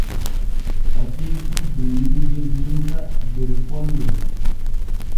O teetii binnirgel Muusa der ponnol.